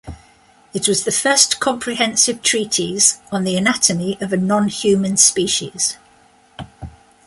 It was the first comprehensive treatise on the anatomy of a non-human species.